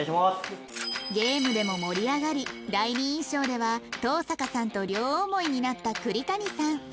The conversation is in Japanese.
ゲームでも盛り上がり第二印象では東坂さんと両思いになった栗谷さん